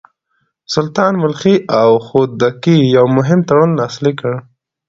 سلطان ملخي او خودکي يو مهم تړون لاسليک کړ.